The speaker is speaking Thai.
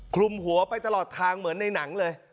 คลุมหัวไปตลอดทางเหมือนในหนังเลย